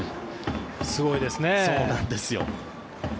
すごいですね。